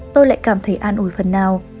tôi lại cảm thấy an ủi phần nào